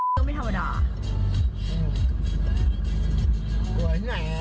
โอ้วมีไม่ธรรมดามี